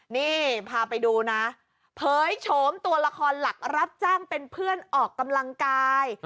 นี่พาไปดูนะเผยโฉมตัวละครหลักรับจ้างเป็นเพื่อนออกกำลังกาย